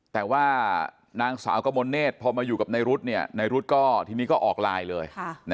แต่ว่านางสาวกมลเนธพอมาอยู่กับนายรุธในรุ๊ดก็ทีนี้ก็ออกไลน์เลย